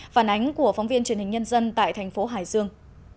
phản ánh của phóng viên truyền hình nhân dân tại thành phố hải dương